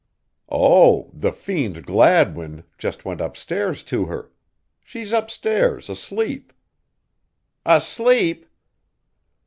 "Oh, the fiend Gladwin just went upstairs to her. She's upstairs asleep." "Asleep!"